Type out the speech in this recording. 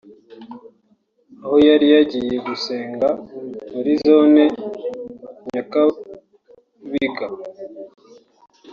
aho yari yagiye gusenga muri zone Nyakabiga